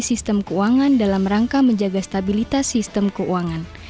sistem keuangan dalam rangka menjaga stabilitas sistem keuangan